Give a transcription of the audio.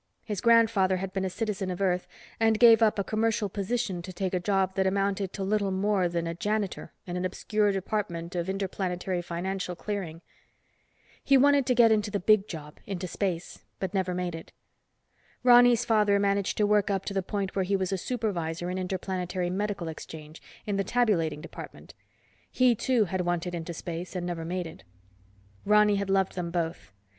His grandfather had been a citizen of Earth and gave up a commercial position to take a job that amounted to little more than a janitor in an obscure department of Interplanetary Financial Clearing. He wanted to get into the big job, into space, but never made it. Ronny's father managed to work up to the point where he was a supervisor in Interplanetary Medical Exchange, in the tabulating department. He, too, had wanted into space, and never made it. Ronny had loved them both.